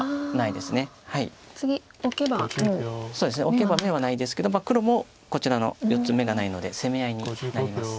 オケば眼はないですけど黒もこちらの４つ眼がないので攻め合いになります。